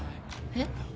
えっ？